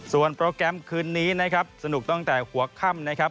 ส่วนโปรแกรมคืนนี้นะครับสนุกตั้งแต่หัวค่ำนะครับ